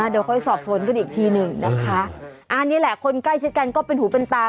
เดี๋ยวค่อยสอบสวนกันอีกทีหนึ่งนะคะอันนี้แหละคนใกล้ชิดกันก็เป็นหูเป็นตา